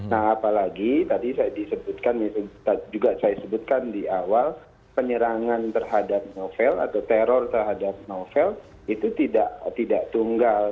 nah apalagi tadi saya disebutkan misalnya juga saya sebutkan di awal penyerangan terhadap novel atau teror terhadap novel itu tidak tunggal